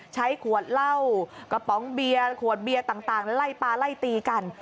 ใช้ขวดเหล้ากระป๋องเบียร์ขวดเบียร์ต่างไล่ปลาไล่ตีกัน